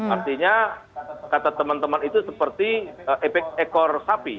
artinya kata teman teman itu seperti ekor sapi